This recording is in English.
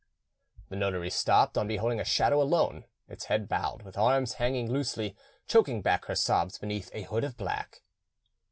The notary stopped on beholding a shadow alone, its head bowed, with arms hanging loosely, choking back her sobs beneath a hood of black.